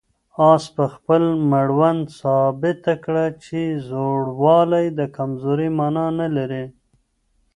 آس په خپل مړوند ثابته کړه چې زوړوالی د کمزورۍ مانا نه لري.